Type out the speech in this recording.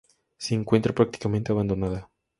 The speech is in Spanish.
Se encuentra prácticamente abandonada.